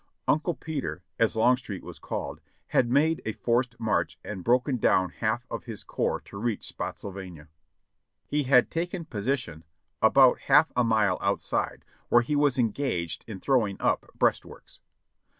Uncle Peter, as Longstreet was called, had made a forced march and broken down half of his corps to reach Spottsylvania. lie had taken position about half a mile outside, where he was engaged in throwing up breastworks.